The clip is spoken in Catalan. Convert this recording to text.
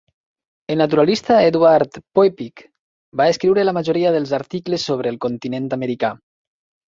El naturalista Eduard Poeppig va escriure la majoria dels articles sobre el continent americà.